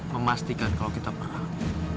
memastikan kalau kita perang